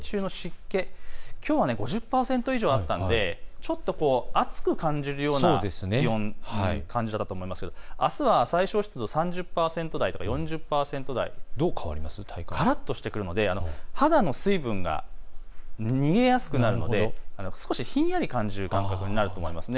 きょうは５０％以上あったのでちょっと暑く感じるような気温という感じだったんですがあすは最小湿度３０％台と４０％台、からっとしてくるので肌の水分が逃げやすくなるので少しひんやり感じる感覚になると思います。